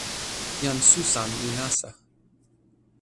jan Susan li nasa.